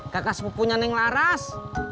kakak sepupunya neng laras